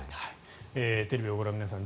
テレビをご覧の皆さん